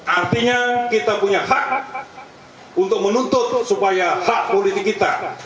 artinya kita punya hak untuk menuntut supaya hak politik kita